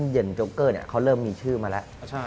เย็นโจ๊เกอร์เขาเริ่มมีชื่อมาแล้ว